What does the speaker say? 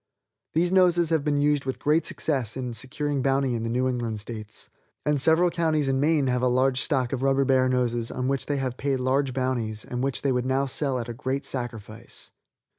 These noses have been used with great success in securing bounty in the New England states, and several counties in Maine have a large stock of rubber bear noses on which they have paid large bounties, and which they would now sell at a great sacrifice.